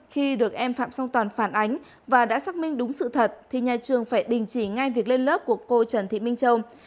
khi được em phạm song toàn phản ánh và đã xác minh đúng sự thật thì nhà trường phải đình chỉ ngay việc lên lớp của cô trần thị minh châu